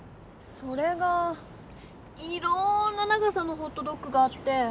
それがいろんな長さのホットドッグがあって。